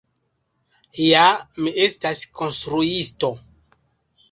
Ja, mi estas konstruisto.